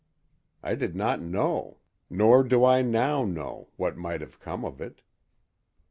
I did not know, nor do I now know, what might have come of it.